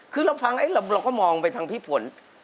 คือเราก็มองไปทางพี่ฝน